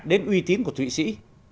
đến uy tín của thụy sĩ